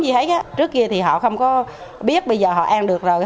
như thế trước kia thì họ không có biết bây giờ họ ăn được rồi